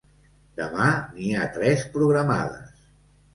Demà n'hi ha tres programades.